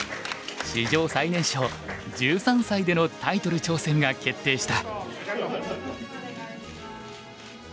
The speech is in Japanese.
史上最年少１３歳でのタイトル挑戦が決定した。